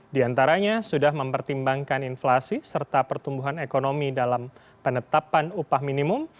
di antaranya sudah mempertimbangkan inflasi serta pertumbuhan ekonomi dalam penetapan upah minimum